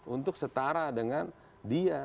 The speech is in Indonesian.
untuk setara dengan dia